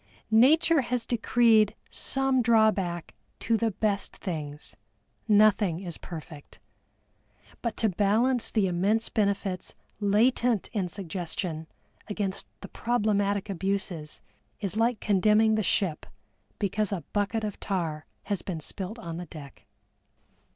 Nature has decreed some drawback to the best things; nothing is perfect. But to balance the immense benefits latent in suggestion against the problematic abuses is like condemning the ship because a bucket of tar has been spilt on the deck.